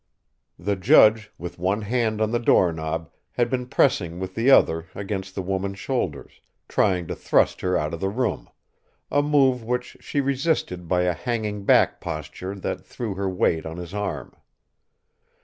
The judge, with one hand on the doorknob, had been pressing with the other against the woman's shoulders, trying to thrust her out of the room a move which she resisted by a hanging back posture that threw her weight on his arm.